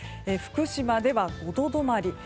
福島では５度止まり。